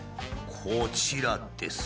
こちらです。